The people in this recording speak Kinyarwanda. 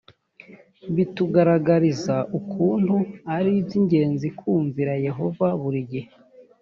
bitugaragariza ukuntu ari iby ingenzi kumvira yehova buri gihe